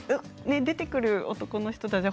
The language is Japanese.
出てくる男の人たち